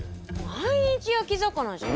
毎日焼き魚じゃん。